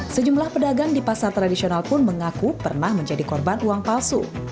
sejumlah pedagang di pasar tradisional pun mengaku pernah menjadi korban uang palsu